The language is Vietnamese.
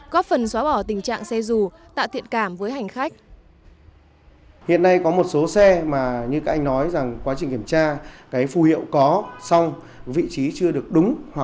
góp phần xóa bỏ tình trạng xe dù tạo thiện cảm với hành khách